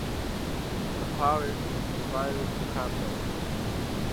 The parish was assigned to Camberg.